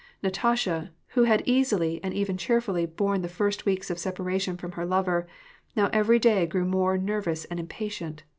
Natasha, who had easily, and even cheerfully, borne the first weeks of separation from her lover, now every day grew more nervous and impatient.